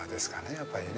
やっぱりね。